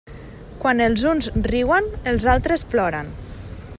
Quan els uns riuen, els altres ploren.